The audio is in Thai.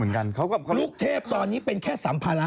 ไม่เกี่ยวลูกเทพตอนนี้เป็นแค่สัมภาระ